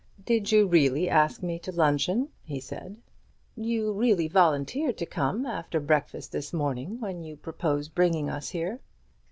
"Did you really ask me to luncheon?" he said. "You really volunteered to come, after breakfast this morning, when you proposed bringing us here."